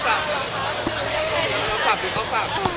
เขาปรับหรือเขาปรับ